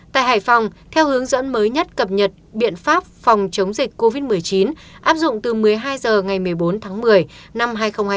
tại hải phòng theo hướng dẫn mới nhất cập nhật biện pháp phòng chống dịch covid một mươi chín áp dụng từ một mươi hai h ngày một mươi bốn tháng một mươi năm hai nghìn hai mươi